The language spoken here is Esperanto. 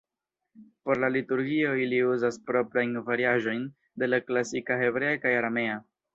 Por la liturgio ili uzas proprajn variaĵojn de la klasika Hebrea kaj Aramea.